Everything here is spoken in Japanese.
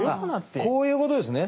こういうことですね。